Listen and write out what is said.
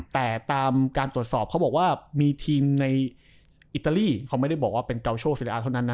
แต่ตามการตรวจสอบเขาบอกว่ามีทีมในอิตาลีเขาไม่ได้บอกว่าเป็นเกาโชคศิริอาเท่านั้นนะ